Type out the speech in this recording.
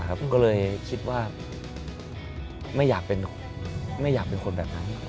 ผมก็เลยคิดว่าไม่อยากเป็นคนแบบนั้น